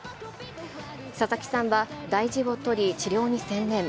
佐々木さんは大事を取り、治療に専念。